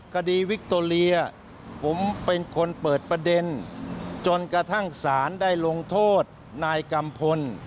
คดีวิคโตเรียผมเป็นคนเปิดประเด็นจนกระทั่งสารได้ลงโทษนายกัมพล